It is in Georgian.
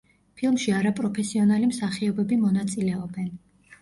ფილმში არაპროფესიონალი მსახიობები მონაწილეობენ.